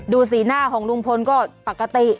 สีหน้าของลุงพลก็ปกติ